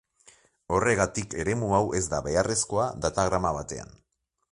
Horregatik eremu hau ez da beharrezkoa datagrama batean.